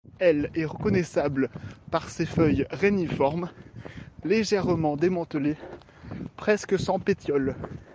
Elle est reconnaissable par ses feuilles réniformes, légèrement dentelées presque sans pétiole.